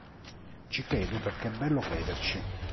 Ci credo perché è bello crederci.